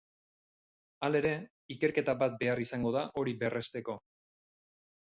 Halere, ikerketa bat behar izango da hori berresteko.